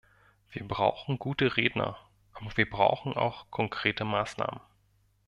Wir brauchen gute Redner, aber wir brauchen auch konkrete Maßnahmen.